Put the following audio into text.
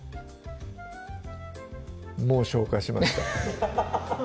もう消化しました